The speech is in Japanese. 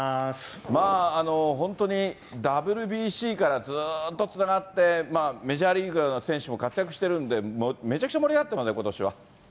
本当にＷＢＣからずっとつながって、メジャーリーグの選手も活躍してるんで、めちゃくちゃ盛り上がってますね、ことしは。